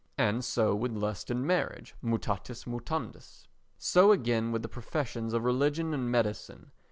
And so with lust and marriage, mutatis mutandis. So again with the professions of religion and medicine.